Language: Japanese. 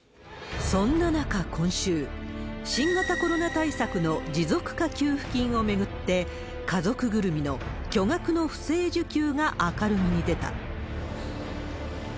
そんな中、今週、新型コロナ対策の持続化給付金を巡って、家族ぐるみの巨額の不正受給が明るみに出た。